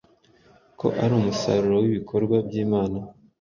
ko ari umusaruro w’ibikorwa by’Imana